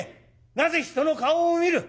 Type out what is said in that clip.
なぜ人の顔を見る？